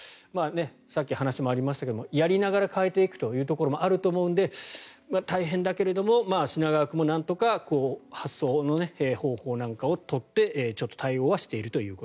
さっきに話にもありましたがやりながら変えていくということもあると思うので大変だけど品川区もなんとか発送の方法なんかを取って対応はしていると。